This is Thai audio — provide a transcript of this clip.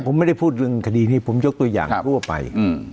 ผมไม่ได้พูดเรื่องคดีนี้ผมยกตัวอย่างทั่วไป